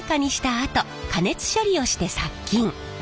あと加熱処理をして殺菌。